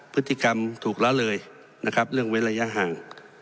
พฤติกรรมถูกละเลยนะครับเรื่องเว้นระยะห่าง